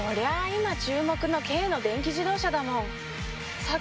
今注目の軽の電気自動車だもん。